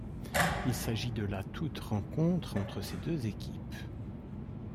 Il s'agit de la toute rencontre entre ces deux équipes.